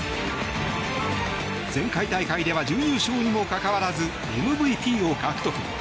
前回大会では準優勝にもかかわらずＭＶＰを獲得。